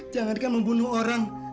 jangan kan membunuh orang